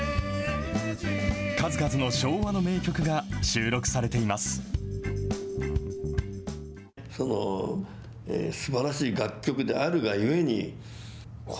数々の昭和の名曲が収録されています。